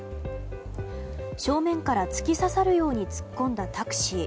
正面から突き刺さるように突っ込んだタクシー。